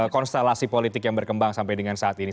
konstelasi politik yang berkembang sampai dengan saat ini